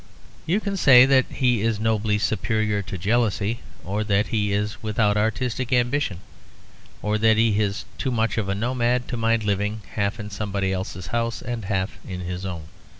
You can say that he is nobly superior to jealousy, or that he is without artistic ambition, or that he is too much of a nomad to mind living half in somebody else's house and half in his own.